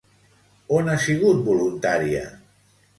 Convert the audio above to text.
On ha sigut voluntària?